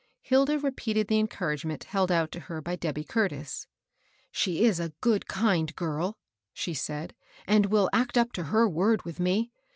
Hilda repeated the encouragement held out to her by Debby Curtis. " She's a kind, good girl," she said, " and will act up to her word with me.